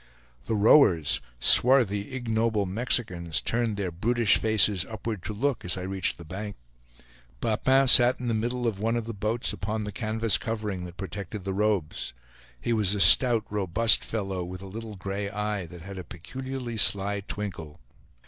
The rowers, swarthy ignoble Mexicans, turned their brutish faces upward to look, as I reached the bank. Papin sat in the middle of one of the boats upon the canvas covering that protected the robes. He was a stout, robust fellow, with a little gray eye, that had a peculiarly sly twinkle.